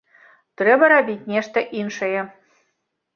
Трэба рабіць нешта іншае.